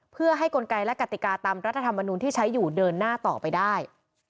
เพื่อให้กลไกและกติกาตามรัฐธรรมนุนที่ใช้อยู่เดินหน้าต่อไปได้